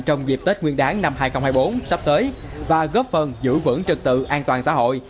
trong dịp tết nguyên đáng năm hai nghìn hai mươi bốn sắp tới và góp phần giữ vững trực tự an toàn xã hội